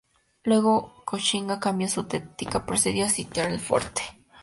Luego Koxinga cambió su táctica y procedió a sitiar el fuerte.